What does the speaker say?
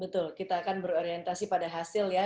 betul kita akan berorientasi pada hasil ya